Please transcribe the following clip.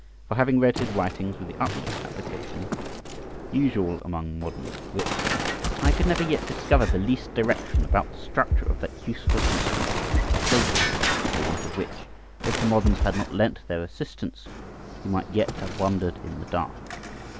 For having read his writings with the utmost application usual among modern wits, I could never yet discover the least direction about the structure of that useful instrument a save all; for want of which, if the moderns had not lent their assistance, we might yet have wandered in the dark.